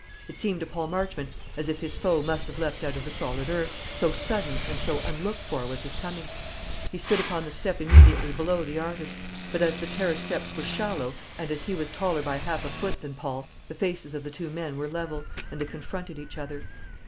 It seemed to Paul Marchmont as if his foe must have leaped out of the solid earth, so sudden and so unlooked for was his coming. He stood upon the step immediately below the artist; but as the terrace steps were shallow, and as he was taller by half a foot than Paul, the faces of the two men were level, and they confronted each other.